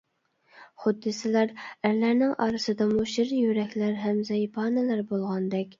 خۇددى سىلەر ئەرلەرنىڭ ئارىسىدىمۇ شىر يۈرەكلەر ھەم زەيپانىلەر بولغاندەك.